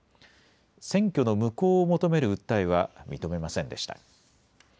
選挙の無効を求める訴えは認めませんでした。